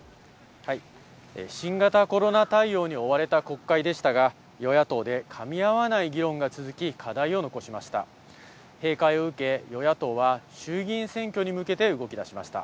新型コロナ対応に追われた国会でしたが、与野党でかみ合わない議論が続き、課題を残しました。